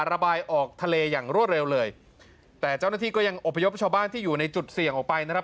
ระบายออกทะเลอย่างรวดเร็วเลยแต่เจ้าหน้าที่ก็ยังอบพยพชาวบ้านที่อยู่ในจุดเสี่ยงออกไปนะครับ